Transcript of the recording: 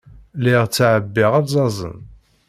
Lliɣ ttɛebbiɣ alzazen.